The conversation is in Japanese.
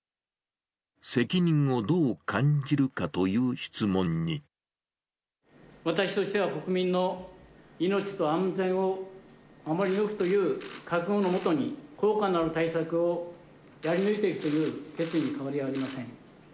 責任をどう感じるかという質私としては、国民の命と安全を守り抜くという覚悟のもとに、効果のある対策をやり抜いていくという決意に変わりはありません。